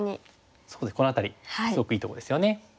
そうですねこの辺りすごくいいとこですよね。